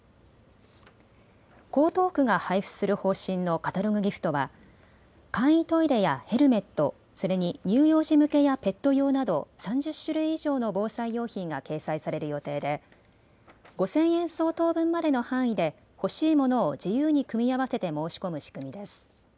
江東区が配布する方針のカタログギフトは簡易トイレやヘルメット、それに乳幼児向けやペット用など３０種類以上の防災用品が掲載される予定で５０００円相当分までの範囲で欲しいものを自由に組み合わせて申し込む仕組みです。